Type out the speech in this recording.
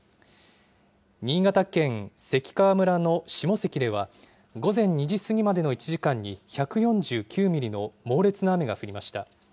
新潟県関川村の下関では午前２時過ぎまでの１時間に１４９ミリの猛烈な雨が降りました。